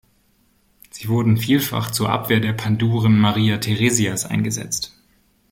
Sie wurden vielfach zur Abwehr der Panduren Maria Theresias eingesetzt.